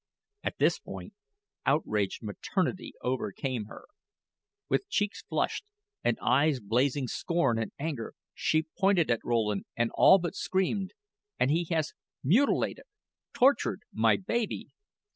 At this point, outraged maternity overcame her. With cheeks flushed, and eyes blazing scorn and anger, she pointed at Rowland and all but screamed: "And he has mutilated tortured my baby.